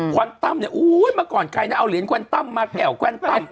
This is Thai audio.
วันตั้มเนี่ยอุ้ยเมื่อก่อนใครนะเอาเหรียญควันตั้มมาแก่วแกวนตั้ม